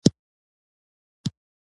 خوب د فکرونو کباړ وباسي